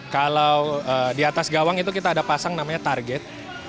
kalau di atas gawang itu kita ada pasang namanya target